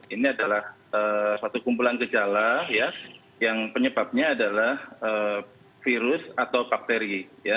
ini adalah satu kumpulan gejala yang penyebabnya adalah virus atau bakteri